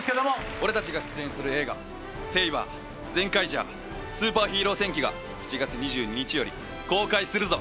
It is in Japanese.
俺たちが出演する映画『セイバー＋ゼンカイジャースーパーヒーロー戦記』が７月２２日より公開するぞ。